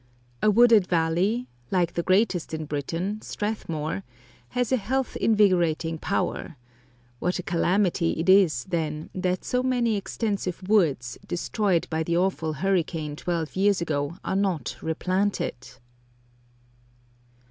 A wooded valley like the greatest in Britain, Strathmore has a health invigorating power: what a calamity it is, then, that so many extensive woods, destroyed by the awful hurricane twelve years ago, are not replanted!